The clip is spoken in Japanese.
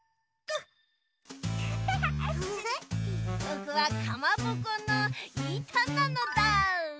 ぼくはかまぼこのいたなのだ。